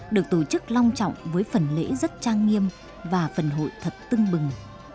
được tổ chức long trọng với phần lễ rất trang nghiêm và phần hội thật tưng bừng